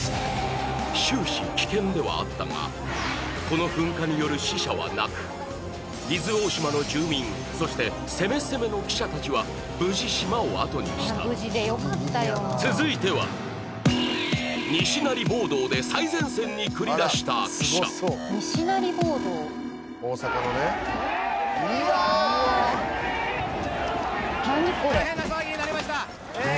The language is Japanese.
終始危険ではあったがこの噴火による死者はなく伊豆大島の住民そして攻め攻めの記者たちは無事島をあとにした続いては・大変な騒ぎになりましたええ